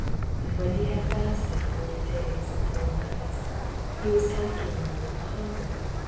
2 And when he had fasted forty days and forty nights, he was after ward an hnngred.